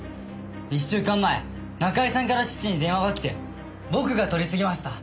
一週間前中居さんから父に電話がきて僕が取り次ぎました。